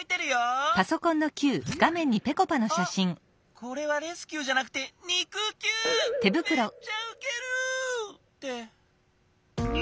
これはレスキューじゃなくて肉きゅう！